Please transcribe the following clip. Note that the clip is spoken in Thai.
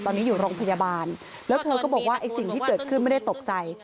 ตอนนี้อยู่โรงพยาบาลแล้วเธอก็บอกว่าไอ้สิ่งที่เกิดขึ้นไม่ได้ตกใจ